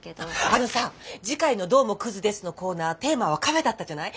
あのさ次回の「どうもクズです！」のコーナーテーマは「カフェ」だったじゃない？